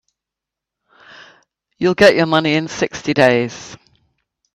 You'll get your money in sixty days.